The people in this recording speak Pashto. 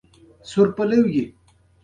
یعني نه بلکې یانې لیکئ!